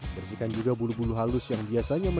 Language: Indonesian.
bersihkan juga bulu bulu halus yang biasanya menarik